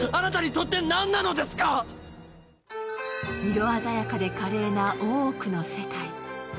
色鮮やかで華麗な大奥の世界。